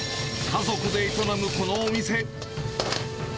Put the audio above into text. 家族で営むこのお店。